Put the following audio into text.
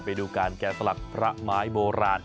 ไปดูการแกะสลักพระไม้โบราณ